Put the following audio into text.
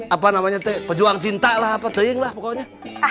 apa namanya pejuang cinta lah apa teing lah pokoknya